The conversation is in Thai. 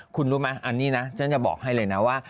คุณรู้ไหมอันนี้นะฉันจะบอกให้เลยนะว่า